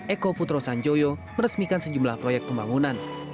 eko putro sanjoyo meresmikan sejumlah proyek pembangunan